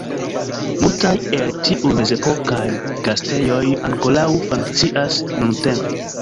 Multaj el tiuj mezepokaj gastejoj ankoraŭ funkcias nuntempe.